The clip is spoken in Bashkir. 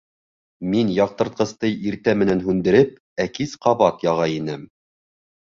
Мин яҡтыртҡсты иртә менән һүндереп, ә кис ҡабат яға инем.